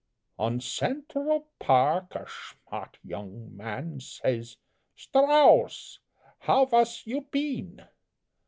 On Central Park a shmardt young man Says: "Strauss, how vas you peen?"